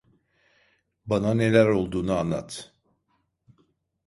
Bana neler olduğunu anlat.